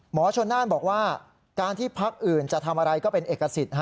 หมอชนน่านบอกว่าการที่พักอื่นจะทำอะไรก็เป็นเอกสิทธิ์